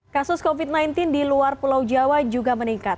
kasus covid sembilan belas di luar pulau jawa juga meningkat